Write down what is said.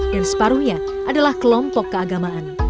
dan separuhnya adalah kelompok keagamaan